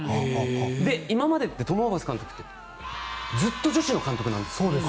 で、今までってトム・ホーバス監督ってずっと女子の監督なんです。